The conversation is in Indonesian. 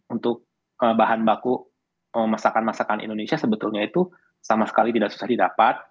untuk bahan baku masakan masakan indonesia sebetulnya itu sama sekali tidak susah didapat